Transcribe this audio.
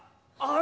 あ！